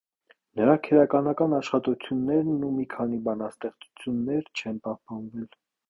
Նրա քերականական աշխատություններն ու մի քանի բանաստեղծություններ չեն պահպանվել։